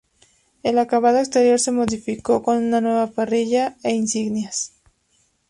El acabado exterior se modificó con una nueva parrilla e insignias.